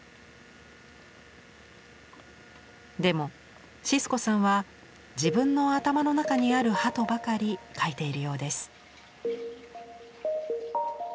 でもシスコさんは自分の頭の中にあるハトばかり描いているようです。